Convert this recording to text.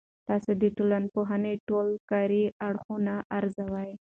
تاسو د ټولنپوهنې ټول کاري اړخونه ارزوي؟